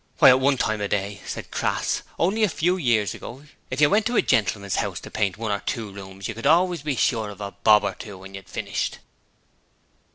'Why, at one time o' day,' said Crass, 'only a few years ago, if you went to a gentleman's 'ouse to paint one or two rooms you could always be sure of a bob or two when you'd finished.'